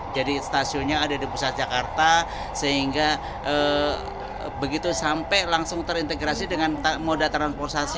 jadi stasiunnya ada di pusat jakarta sehingga begitu sampai langsung terintegrasi dengan moda transportasi